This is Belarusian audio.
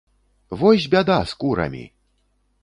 Вось бяда з курамі!